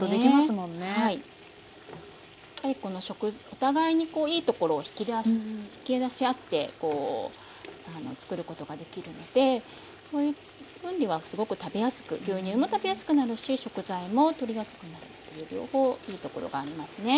お互いにいいところを引き出し合ってこう作ることができるのでそういう分にはすごく食べやすく牛乳も食べやすくなるし食材もとりやすくなるという両方いいところがありますね。